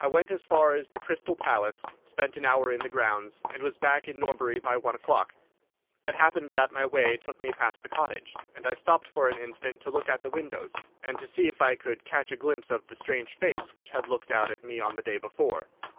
"I went as far as the Crystal Palace, spent an hour in the grounds, and was back in Norbury by one o'clock. It happened that my way took me past the cottage, and I stopped for an instant to look at the windows, and to see if I could catch a glimpse of the strange face which had looked out at me on the day before.